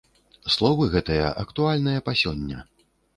Словы гэтыя актуальныя па сёння!